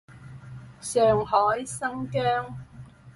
上海，新疆